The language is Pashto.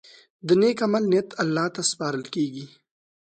د نیک عمل نیت الله ته سپارل کېږي.